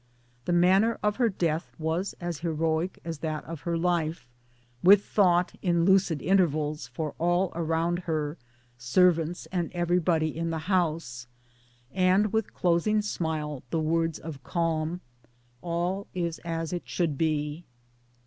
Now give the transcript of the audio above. The manner of her death was as heroic as that of her life, with thought in lucid intervals for all around her, servants, and everybody in the house ; and with closing smile, and words of calm, " All is as it should be."